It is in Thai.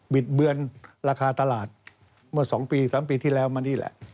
ิดเบือนราคาตลาดเมื่อ๒ปี๓ปีที่แล้วมานี่แหละ